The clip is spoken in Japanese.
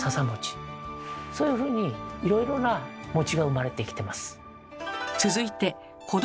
そういうふうにいろいろなが生まれてきてます。